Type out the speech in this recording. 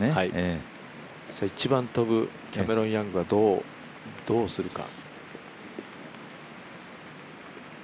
一番飛ぶキャメロン・ヤングはどうするか。